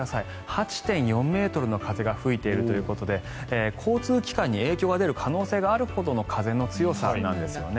８．４ｍの風が吹いているということで交通機関に影響が出る可能性があるほどの風の強さなんですね。